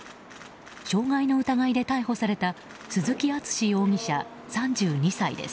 傷害の疑いで逮捕された鈴木淳容疑者、３２歳です。